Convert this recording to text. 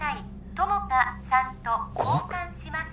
友果さんと交換します